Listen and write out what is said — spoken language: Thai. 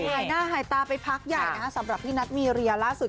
หายหน้าหายตาไปพักใหญ่นะคะสำหรับพี่นัทมีเรียล่าสุด